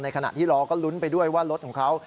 ขณะที่รอก็ลุ้นไปด้วยว่ารถของเขา